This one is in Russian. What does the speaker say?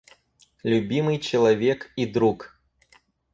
Любимый человек и друг!